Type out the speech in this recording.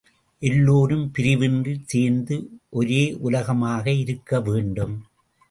எல்லோரும் பிரிவின்றிச் சேர்ந்து ஒரே உலகமாக இருக்கவேண்டும்.